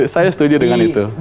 saya setuju dengan itu